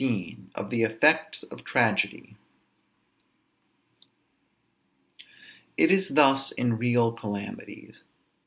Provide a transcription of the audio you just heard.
OF THE EFFECTS OF TRAGEDY. It is thus in real calamities.